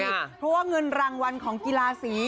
เพราะว่าเงินรางวัลของกีฬาสี